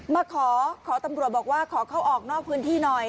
มาขอขอตำรวจบอกว่าขอเข้าออกนอกพื้นที่หน่อย